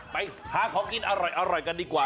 ไปหาของกินอร่อยกันดีกว่า